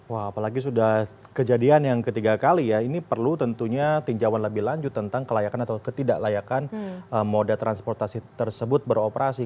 wah apalagi sudah kejadian yang ketiga kali ya ini perlu tentunya tinjauan lebih lanjut tentang kelayakan atau ketidaklayakan moda transportasi tersebut beroperasi